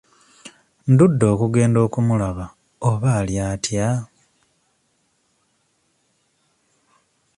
Ndudde okugenda okumulaba oba ali atya?